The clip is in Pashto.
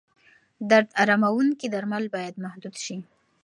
درد اراموونکي درمل باید محدود شي.